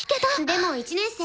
でも１年生。